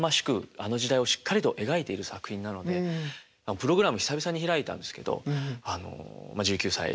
あの時代をしっかりと描いている作品なのでプログラム久々に開いたんですけどあのまあ１９歳ねえ。